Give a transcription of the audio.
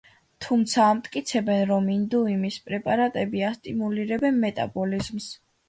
თუმცა ამტკიცებენ, რომ ინდიუმის პრეპარატები ასტიმულირებენ მეტაბოლიზმს.